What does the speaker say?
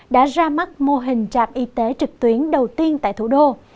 đã ra mắt mô hình trạm y tế trực tuyến đầu tiên tại thủ đô